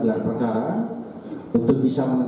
bisa yang ada di sini ada